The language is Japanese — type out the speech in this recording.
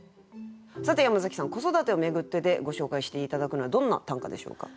さて山崎さん「『子育て』をめぐって」でご紹介して頂くのはどんな短歌でしょうか？